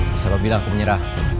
masalah bila aku menyerah